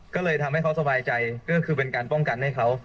ก็เลยทำให้เขาสบายใจก็คือเป็นการป้องกันให้เขา